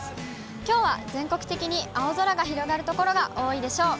きょうは全国的に青空が広がる所が多いでしょう。